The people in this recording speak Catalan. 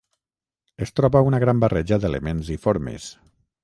Es troba una gran barreja d'elements i formes.